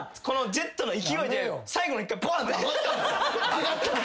上がったの？